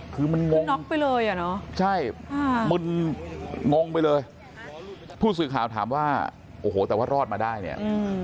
คือมันงงใช่มันงงไปเลยพูดสื่อข่าวถามว่าโอ้โหแต่ว่ารอดมาได้เนี่ย